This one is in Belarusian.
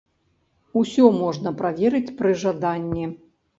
Усё можна праверыць пры жаданні.